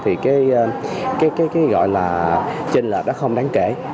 thì cái gọi là trên lệch nó không đáng kể